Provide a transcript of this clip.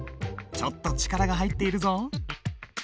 ちょっと力が入っているぞ。